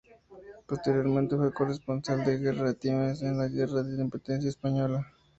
Posteriormente fue corresponsal de guerra del "Times" en la Guerra de la Independencia Española.